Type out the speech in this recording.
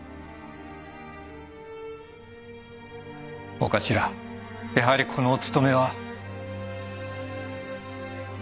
お頭やはりこのお盗めは。